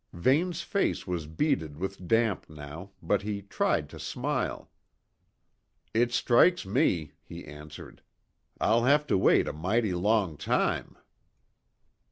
Vane's face was beaded with damp now, but he tried to smile. "It strikes me," he answered, "I'll have to wait a mighty long time."